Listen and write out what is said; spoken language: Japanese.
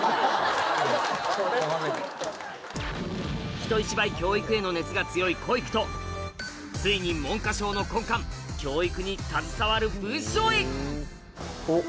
人一倍教育への熱が強いこいくとついに文科省の根幹教育に携わる部署へおっ。